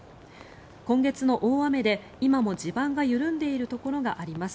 今月の大雨で今も地盤が緩んでいるところがあります。